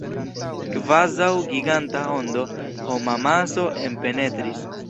Kvazaŭ giganta ondo, homamaso enpenetris.